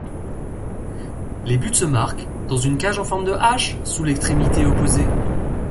Les buts se marquent dans une cage en forme de H sur l’extrémité opposée.